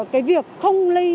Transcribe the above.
cái việc không lây